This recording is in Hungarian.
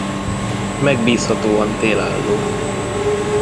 Megbízhatóan télálló.